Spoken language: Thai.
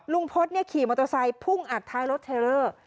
พฤษขี่มอเตอร์ไซค์พุ่งอัดท้ายรถเทลเลอร์